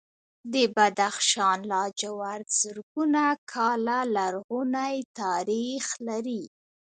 د بدخشان لاجورد زرګونه کاله لرغونی تاریخ لري.